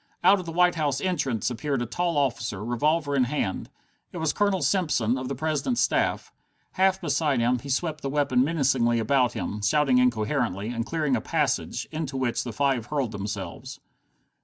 Out of the White House entrance appeared a tall officer, revolver in hand. It was Colonel Simpson, of the President's staff. Half beside himself, he swept the weapon menacingly about him, shouting incoherently, and clearing a passage, into which the five hurled themselves.